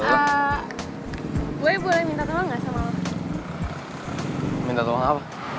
gue boleh minta teman gak sama lo